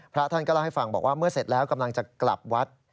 พระท่านก็เล่าให้ฟังบอกว่าเมื่อเสร็จแล้วกำลังจะกลับวัด